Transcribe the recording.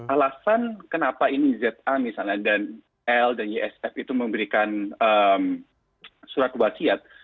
alasan kenapa ini za misalnya dan l dan ysf itu memberikan surat wasiat